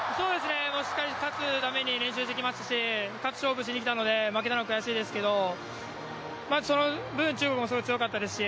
しっかり勝つために練習してきましたし、勝つ勝負をしにきたので負けたのは悔しいですけどその分中国もすごい強かったですし